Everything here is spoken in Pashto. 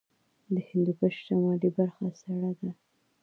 د هندوکش شمالي برخه سړه ده